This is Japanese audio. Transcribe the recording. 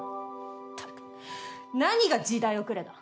ったく何が時代遅れだ。